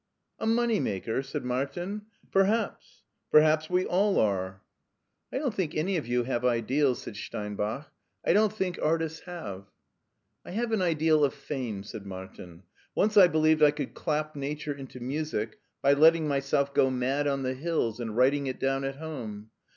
" A money maker? " said Martin. " Perhaps. Per haps we all are." ti it u 113 MARTIN SCHGlER " I don't think any of you have ideals/' said Stein bach. "I don't think artists have." " I have an ideal of fame," said Martifi. " Once I believed I could clap nature into music by letting myself go mad on the hills and writing it down at home.